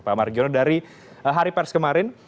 pak margiono dari hari pers kemarin